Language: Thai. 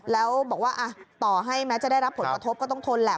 แล้วบอกว่าต่อให้แม้จะได้รับผลกระทบก็ต้องทนแหละ